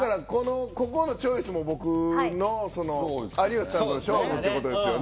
ここのチョイスも僕と有吉さんとの勝負ですよね。